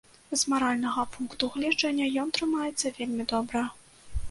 З маральнага пункту гледжання ён трымаецца вельмі добра.